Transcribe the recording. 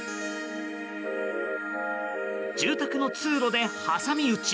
住宅の通路で挟み撃ち。